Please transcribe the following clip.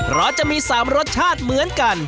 เพราะจะมี๓รสชาติเหมือนกัน